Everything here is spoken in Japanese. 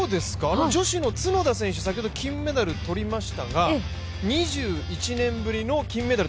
女子の角田選手、先ほど金メダル取りましたが２１年ぶりの金メダル。